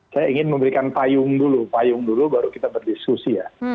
saya ingin memberikan payung dulu payung dulu baru kita berdiskusi ya